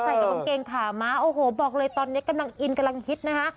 กับกางเกงขาม้าโอ้โหบอกเลยตอนนี้กำลังอินกำลังฮิตนะคะ